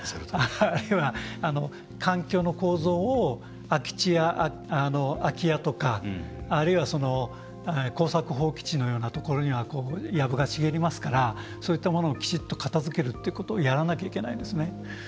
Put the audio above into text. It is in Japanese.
あるいは、環境の構造を空き地や空き家とか、あるいは耕作放棄地のようなところにはやぶが茂りますからそういったものをきちっと片づけるっていうことをやらなきゃいけないんですね。